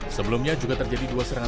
sebelumnya juga terjadi dua serangan